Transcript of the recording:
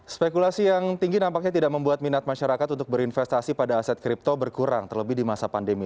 spekulasi yang tinggi nampaknya tidak membuat minat masyarakat untuk berinvestasi pada aset kripto berkurang terlebih di masa pandemi